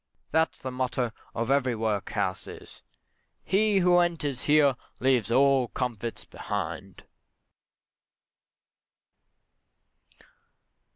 that the motto of every workhouse is "He who enters here leaves all comforts behind."